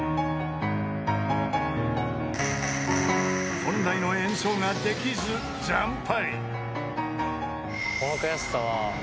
［本来の演奏ができず惨敗］